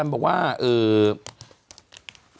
หมายถึงว่าเขาเอาหลักฐานของเอมมาเปิด